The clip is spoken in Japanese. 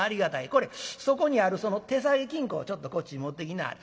これそこにあるその手提げ金庫をちょっとこっちに持ってきなはれ。